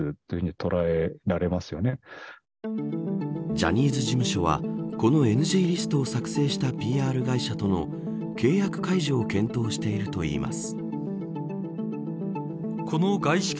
ジャニーズ事務所はこのＮＧリストを作成したＰＲ会社との契約解除を検討しているといいます。